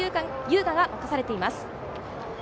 雅が任されています。